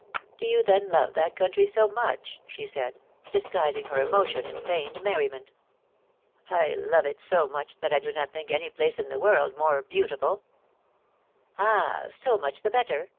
^^Do you then love that country so much she said, disguising her emotion in feigned merriment. I love it so much, that I do not think any place in the world more beautiful ! ^^Ah ! so much the better